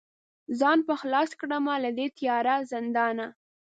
ځان به خلاص کړمه له دې تیاره زندانه